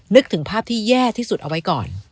นึกถึงภาพที่แย่ที่สุดเอาไว้ก่อน